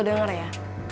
lo denger ya